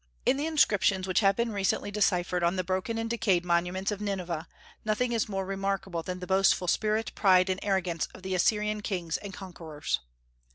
In the inscriptions which have recently been deciphered on the broken and decayed monuments of Nineveh nothing is more remarkable than the boastful spirit, pride, and arrogance of the Assyrian kings and conquerors.